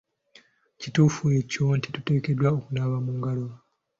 Kituufu kyo nti tuteekeddwa okunaaba mu ngalo.